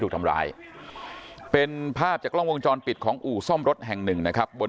ถูกทำร้ายเป็นภาพจากกล้องวงจรปิดของอู่ซ่อมรถแห่งหนึ่งนะครับบน